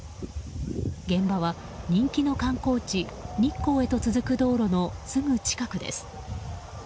現場は人気の観光地日光へと続く道路のすぐ近くです。